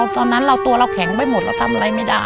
ตอนนั้นเราตัวเราแข็งไปหมดเราทำอะไรไม่ได้